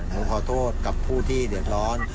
ผมขอโทษกับผู้ที่เดือดร้อน